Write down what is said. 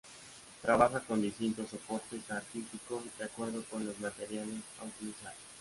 Trabaja con distintos soportes artísticos, de acuerdo con los materiales a utilizar.